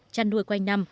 chăn nuôi quanh năm